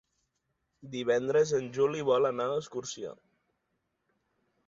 Divendres en Juli vol anar d'excursió.